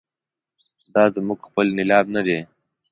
دا زموږ خپل نیلام نه دی.